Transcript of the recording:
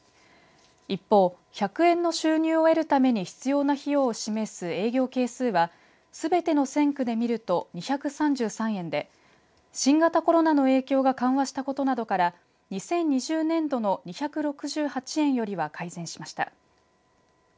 一方、１００円の収入を得るために必要な費用を示す営業係数はすべての線区で見ると２３３円で新型コロナの影響が緩和したことなどから２０２０年度の２６８円よりは改善しました。